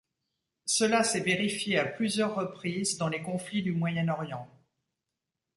Cela s'est vérifié à plusieurs reprises dans les conflits du Moyen-Orient.